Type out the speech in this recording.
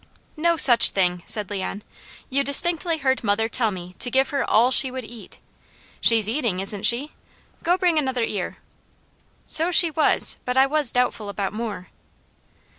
"No such thing!" said Leon. "You distinctly heard mother tell me to give her 'all she would eat.' She's eating, isn't she? Go bring another ear!" So she was, but I was doubtful about more.